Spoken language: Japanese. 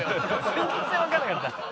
全然わかんなかった。